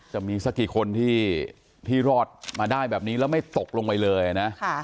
จะมีสักกี่คนที่รอดมาได้แบบนี้แล้วไม่ตกลงไปเลยนะ